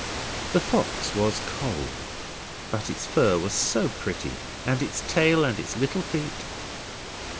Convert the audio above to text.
The fox was cold, but its fur was so pretty, and its tail and its little feet.